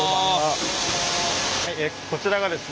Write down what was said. こちらがですね